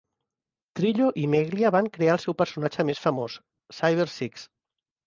Trillo i Meglia van crear el seu personatge més famós, Cybersix.